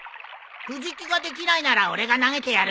藤木ができないなら俺が投げてやる。